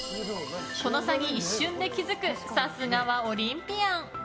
この差に一瞬で気づくさすがはオリンピアン。